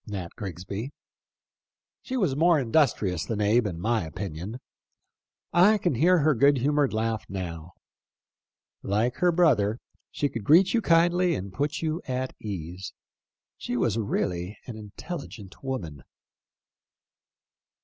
" She was more industrious than Abe, in my opinion. I can hear her good humored laugh now. Like her brother, she could greet you kindly and put you at ease. She was really an intelligent woman."